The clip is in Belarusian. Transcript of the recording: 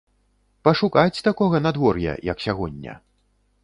Пашукаць такога надвор'я, як сягоння.